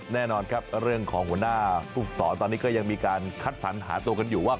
แน่นอนครับเรื่องของหัวหน้าผู้ฝึกศรตอนนี้ก็ยังมีการคัดสรรหาตัวกันอยู่ว่า